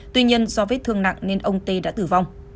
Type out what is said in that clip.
tuy nhiên do vết thương nặng nên ông tê đã tử vong